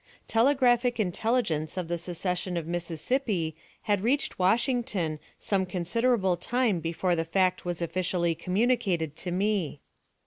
Telegraphic intelligence of the secession of Mississippi had reached Washington some considerable time before the fact was officially communicated to me.